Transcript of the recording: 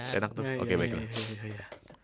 enak tuh oke baiklah